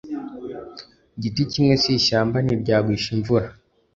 Igiti kimwe si ishyamba ntiryagwishimvura